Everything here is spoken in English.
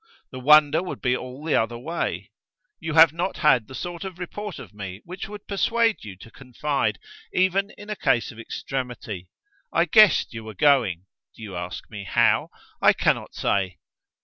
The wonder would be all the other way. You have not had the sort of report of me which would persuade you to confide, even in a case of extremity. I guessed you were going. Do you ask me how? I cannot say.